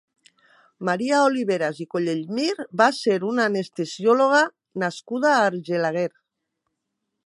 Maria Oliveras i Collellmir va ser una anestesiòloga nascuda a Argelaguer.